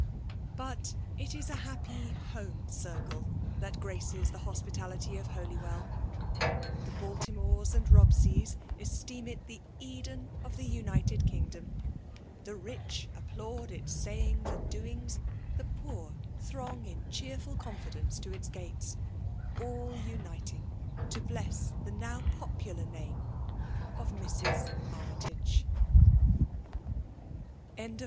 But it is a happy Aoma circle that graces the hospitality of HolyweU ! The Baltimores and Bobseys esteem it the Eden of the United Kingdom ; the rich applaud its sayings and doings ; the poor throng in cheerful confidence to its gates ; all uniting to bless the now popular name of Mrs. Axmytage THE END.